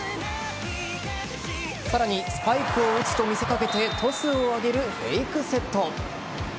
さらにスパイクを打つと見せかけてトスを上げるフェイクセット。